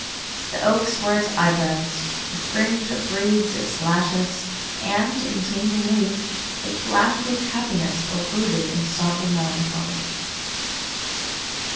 The oaks were its eyebrows, the fringe of reeds its lashes, and, in changing mood, it flashed with happiness or brooded in sombre melancholy.